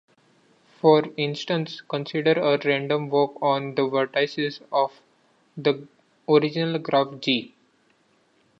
For instance consider a random walk on the vertices of the original graph "G".